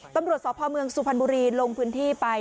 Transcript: ตำรวจสพเมืองสุพรรณบุรีลงพื้นที่ไป